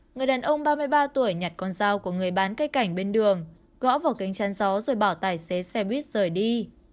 người đàn ông ba mươi ba tuổi nhặt con dao của người bán cây cảnh bên đường gõ vào kính chăn gió rồi bỏ tài xế xe buýt rời đi